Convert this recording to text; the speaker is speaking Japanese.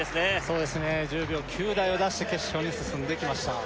そうですね１０秒９台を出して決勝に進んできました